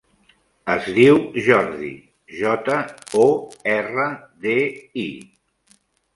Es diu Jordi: jota, o, erra, de, i.